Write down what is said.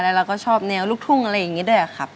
แล้วเราก็ชอบแนวลูกทุ่งอะไรอย่างนี้ด้วยครับ